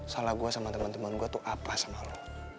salah gue sama temen temen gue tuh apa sama lu